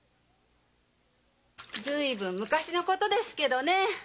随分昔の事ですけどね。